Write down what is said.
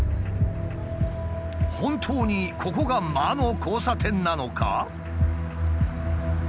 本当にここが魔の交差点なのか？